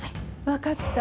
分かった。